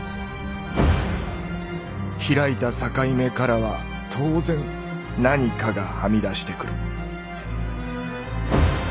ひらいた「境目」からは当然「何か」がはみ出してくる。